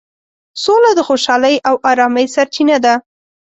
سوله د خوشحالۍ او ارامۍ سرچینه ده.